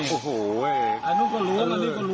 โอ้โห